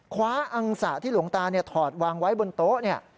คว้าอังสะที่หลวงตาถอดวางไว้บนโต๊ะเนี่ย